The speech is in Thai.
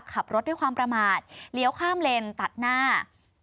ขับรถด้วยความประมาทเลี้ยวข้ามเลนตัดหน้า